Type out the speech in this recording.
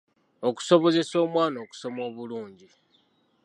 Okusobozesa omwana okusoma obulungi.